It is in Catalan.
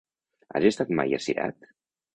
Has estat mai a Cirat?